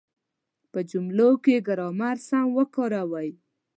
په جملو کې ګرامر سم وکاروئ.